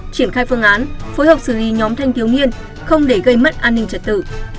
triển khai phương án phối hợp xử lý nhóm thanh thiếu niên không để gây mất an ninh trật tự